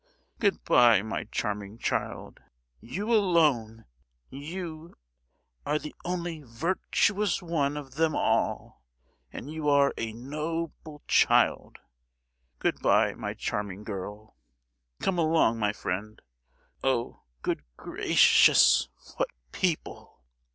Good bye, my charming child; you alone, you—are the only vir—tuous one of them all; you are a no—oble child. Good bye, my charming girl! Come along, my friend;—oh, good gra—cious, what people!"